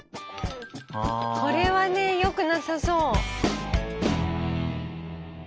これはねよくなさそう。